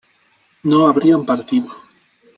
no habrían partido